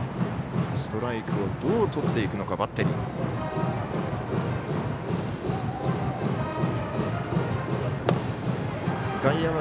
ストライクをどうとっていくのかバッテリー。